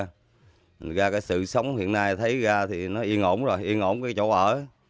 thành ra cái sự sống hiện nay thấy ra thì nó yên ổn rồi yên ổn cái chỗ ở